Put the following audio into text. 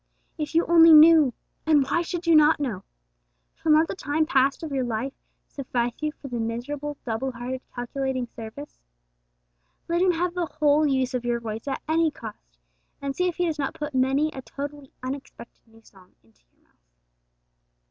If you only knew and why should you not know? Shall not the time past of your life suffice you for the miserable, double hearted, calculating service? Let Him have the whole use of your voice at any cost, and see if He does not put many a totally unexpected new song into your mouth!